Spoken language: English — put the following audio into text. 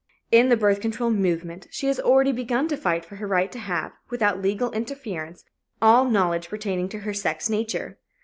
In the birth control movement, she has already begun to fight for her right to have, without legal interference, all knowledge pertaining to her sex nature.